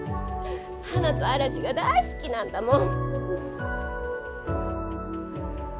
花と嵐が大好きなんだもん！